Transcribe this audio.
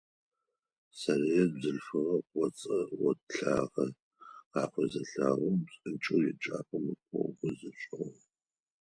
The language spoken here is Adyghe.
Сарыет бзылъфыгъэ къопцӏэ од лъагэ къакӏоу зелъэгъум, псынкӏэу еджапӏэм ыкъогъу зишӏыгъ.